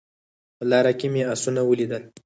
په لاره کې مې اسونه ولیدل